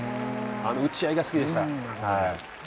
打ち合いが好きでした。